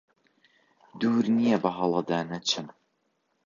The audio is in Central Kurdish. دوور نییە بەهەڵەدا نەچم